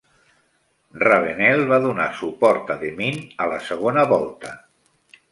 Ravenel va donar suport a DeMint a la segona volta.